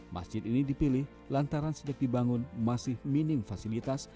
masjid ini dipilih lantaran sejak dibangun masih minim fasilitas